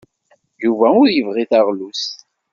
Yuba ur yebɣi taɣlust.